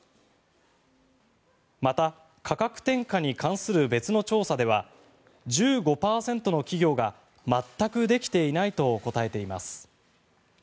また、価格転嫁に関する別の調査では１５％の企業が全くできていないと答えています。